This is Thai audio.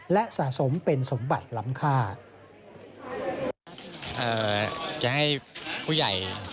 และสะสมเป็นสมบัติลำคา